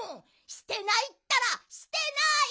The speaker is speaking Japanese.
してないったらしてない！